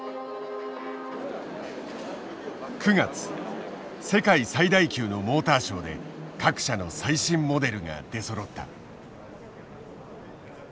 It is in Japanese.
９月世界最大級のモーターショーで各社の最新モデルが出そろった。